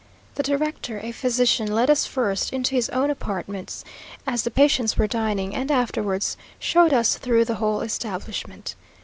The director, a physician, led us first into his own apartments, as the patients were dining, and afterwards showed us through the whole establishment.